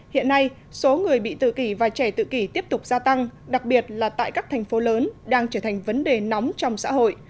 hiện nay số người bị tự kỷ và trẻ tự kỷ tiếp tục gia tăng đặc biệt là tại các thành phố lớn đang trở thành vấn đề nóng trong xã hội